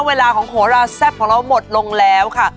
เวลาของโหราแซ่บของเราหมดลงแล้วค่ะ